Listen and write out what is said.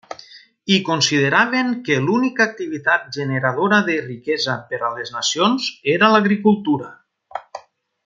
I consideraven que l'única activitat generadora de riquesa per a les nacions era l'agricultura.